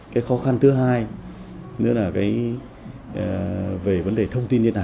cái khó khăn thứ hai nữa là cái về vấn đề thông tin đi lại